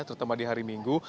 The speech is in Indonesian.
terutama di hari minggu